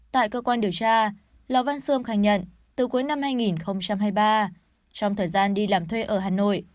tại cơ quan điều tra lò văn sươm khai nhận từ cuối năm hai nghìn hai mươi ba trong thời gian đi làm thuê ở hà nội